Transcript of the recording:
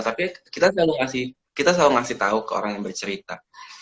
tapi kita selalu ngasih tau ke orang yang bercerita